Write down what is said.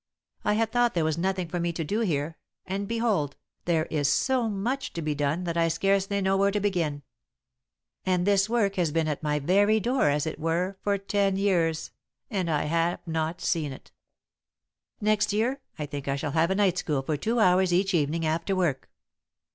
I had thought there was nothing for me to do here, and behold, there is so much to be done that I scarcely know where to begin. And this work has been at my very door, as it were, for ten years, and I have not seen it. Next year, I think I shall have a night school for two hours each evening after work.